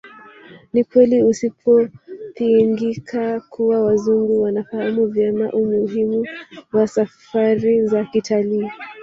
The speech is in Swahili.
Ni ukweli usiopingika kuwa Wazungu wanafahamu vyema umuhimu wa safari za kitalii